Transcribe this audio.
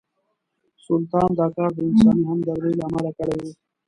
سلطان دا کار د انساني همدردۍ له امله کړی و.